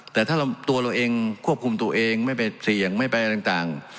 แต่ถ้าตัวเราเองควบคุมตัวเองไม่ไปเสี่ยงไม่ไปอะไรต่าง